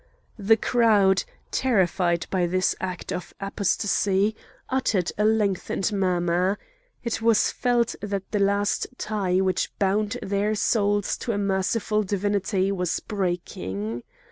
The crowd, terrified by this act of apostasy, uttered a lengthened murmur. It was felt that the last tie which bound their souls to a merciful divinity was breaking.